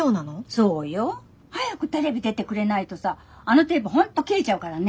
そうよ。早くテレビ出てくれないとさあのテープ本当切れちゃうからね。